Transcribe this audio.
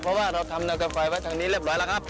เพราะว่าเราทำแนวกันไฟไว้ทางนี้เรียบร้อยแล้วครับ